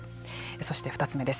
そして、２つ目です。